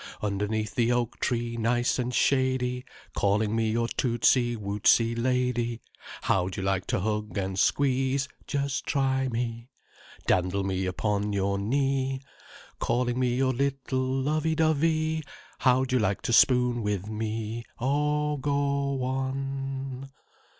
_) Underneath the oak tree nice and shady Calling me your tootsey wootsey lady? How'd you like to hug and squeeze, (Just try me!) Dandle me upon your knee, Calling me your little lovey dovey— How'd you like to spoon with me? (_Oh h—Go on!